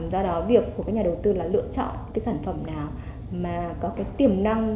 do đó việc của các nhà đầu tư là lựa chọn cái sản phẩm nào mà có cái tiềm năng